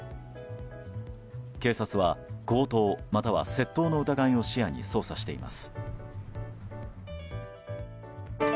警察は強盗または窃盗の疑いを視野に捜査しています。